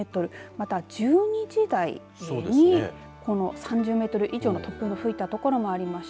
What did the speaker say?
また１２時台に３０メートル以上の突風が吹いたところもありました。